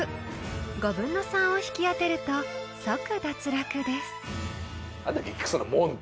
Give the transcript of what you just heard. ［５分の３を引き当てると即脱落です］